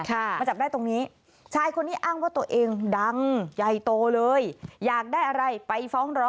มาจับได้ตรงนี้